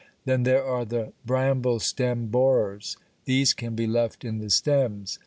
Then there are the bramble stem borers; these can be left in the stems.